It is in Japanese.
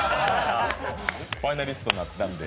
ファイナリストになったんで。